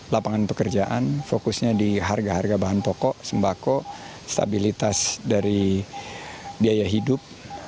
lapangan pekerjaan fokusnya di harga harga bahan pokok sembako stabilitas dari biaya hidup